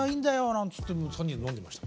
なんつって３人で飲んでました。